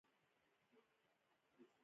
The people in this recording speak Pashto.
هر تیږه یې ګوهر، خاوره سره زر وه